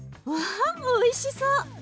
わおいしそう！